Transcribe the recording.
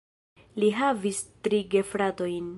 Li havis tri gefratojn.